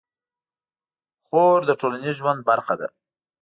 خور د ټولنیز ژوند برخه ده.